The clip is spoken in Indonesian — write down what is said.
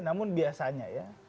namun biasanya ya